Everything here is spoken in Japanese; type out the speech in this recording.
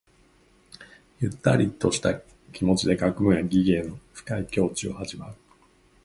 ゆったりとした気持ちで学問や技芸の深い境地を味わう。